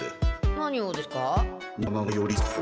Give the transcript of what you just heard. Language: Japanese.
何をですか？